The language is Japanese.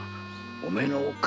お前のおっか